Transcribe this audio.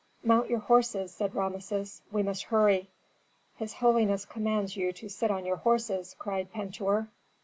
"Mount your horses," said Rameses; "we must hurry." "His holiness commands you to sit on your horses," cried Pentuer.